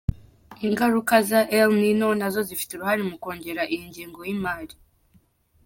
Ingaruka za El Niño na zo zifite uruhare mu kongera iyi ngengo y’imari.